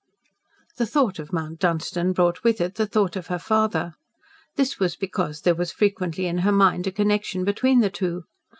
The thought of Mount Dunstan brought with it the thought of her father. This was because there was frequently in her mind a connection between the two.